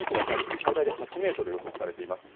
最大で８ｍ予測されています。